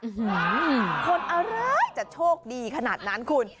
อื้อฮือคนอะไรจะโชคดีขนาดนั้นคุณ